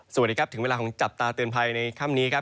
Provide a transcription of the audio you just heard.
สวัสดีครับถึงเวลาของจับตาเตือนภัยในค่ำนี้ครับ